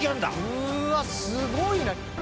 うわすごいな！